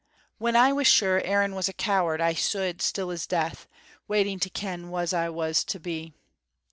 When I was sure Aaron was a coward I stood still as death, waiting to ken wha's I was to be.